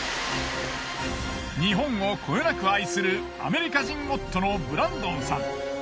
日本をこよなく愛するアメリカ人夫のブランドンさん。